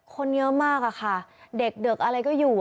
คนเยอะมากอะค่ะเด็กอะไรก็อยู่